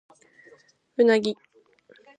うなぎ